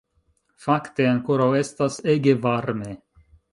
Fakte, ankoraŭ estas ege varme